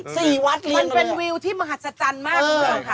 ใช่๔วัดมันเป็นวิวที่มหัศจรรย์มาก